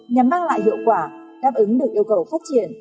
nhằm mang lại hiệu quả đáp ứng được yêu cầu phát triển